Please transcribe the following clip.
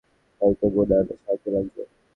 হয়তো ওনার সাহায্য লাগবে।